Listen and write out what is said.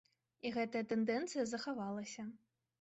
І гэтая тэндэнцыя захавалася.